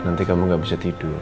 nanti kamu gak bisa tidur